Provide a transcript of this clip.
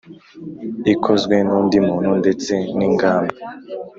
Ikozwe n undi muntu ndetse n ingamba